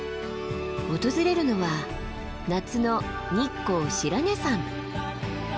訪れるのは夏の日光白根山。